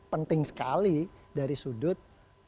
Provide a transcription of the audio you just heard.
penting sekali dari sudut